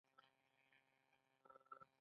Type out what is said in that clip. د حیواناتو پالنه د ښکار له ابتدايي حالته وشوه.